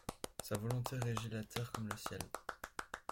Sa volonté régit la terre comme le ciel.